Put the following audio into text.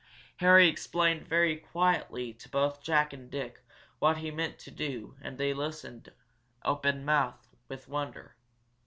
Harry explained very quietly to both Jack and Dick what he meant to do and they listened, open mouthed, with wonder.